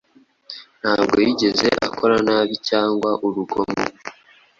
Ntabwo yigeze akora nabi cyangwa urugomo,